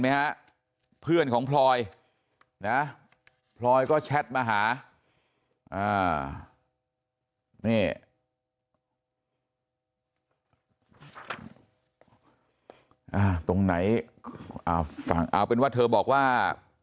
นี้ฮะเพื่อนของพลอยพลอยก็แชทมาหาตรงไหนเป็นว่าเธอบอกว่า